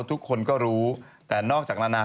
ทุกคนก็รู้แต่นอกจากนานา